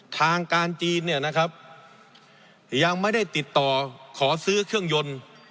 ทางการจีนเนี่ยนะครับยังไม่ได้ติดต่อขอซื้อเครื่องยนต์